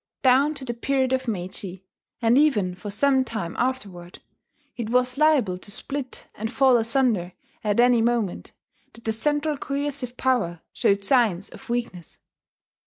Down to the period of Meiji, and even for some time afterward, it was liable to split and fall asunder at any moment that the central coercive power showed signs of weakness.